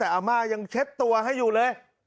แต่อาม่ายังเช็ดตัวให้อยู่เลย